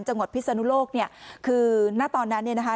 จังหวัดภิษณุโลกเนี่ยคือน่าตอนนั้นเนี่ยนะคะ